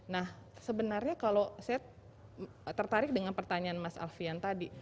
nah sebenarnya kalau saya tertarik dengan pertanyaan mas alfian tadi